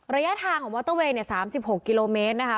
ระยะทางของมอเตอร์เวย์เนี่ยสามสิบหกกิโลเมตรนะคะ